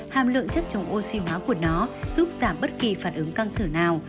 hàm lượng chất chống oxy hóa của nó giúp giảm bất kỳ phản ứng căng thẳng nào